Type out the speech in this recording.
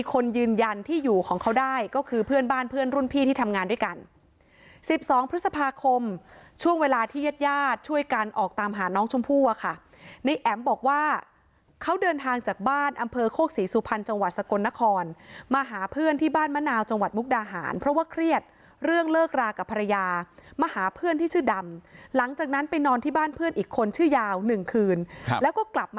คนยืนยันที่อยู่ของเขาได้ก็คือเพื่อนบ้านเพื่อนรุ่นพี่ที่ทำงานด้วยกัน๑๒พฤษภาคมช่วงเวลาที่เย็ดยาดช่วยกันออกตามหาน้องชมพั่วค่ะนี่แอ๋มบอกว่าเขาเดินทางจากบ้านอำเภอโคกษีสุพรรณจังหวัดสกลนครมาหาเพื่อนที่บ้านมะนาวจังหวัดมุกดาหารเพราะว่าเครียดเรื่องเลิกรากับภรรยามาหาเพื่อนที่ชื่